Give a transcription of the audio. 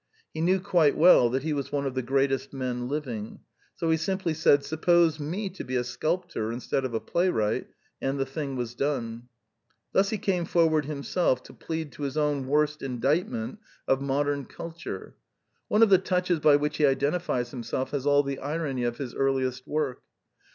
He knew quite well that he was one of the greatest men living; so he simply said' ^^ Suppose me to be a sculptor instead of a playwright,'' and the thing was done. Thus he came forward himself to plead to his own worst indictment of modern The Last Four Plays 173 culture. One of the touches by which he identi fies himself has all the irony of his earliest work.